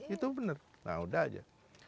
itu benar nah udah aja